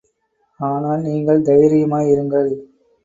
ஆனால் நீங்கள் தைரியமாய் இருங்கள்.